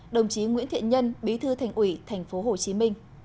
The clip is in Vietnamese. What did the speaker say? đồng chí nguyễn thiện nhân bí thư thành ủy tp hcm